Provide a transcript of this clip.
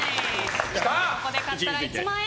ここで勝ったら１万円。